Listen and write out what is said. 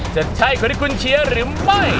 จะใช่คนที่คุณเชียร์หรือไม่